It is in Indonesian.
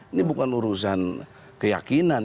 ini bukan urusan keyakinan